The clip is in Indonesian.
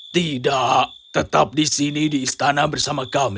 tidak tetap di sini di istana bersama kami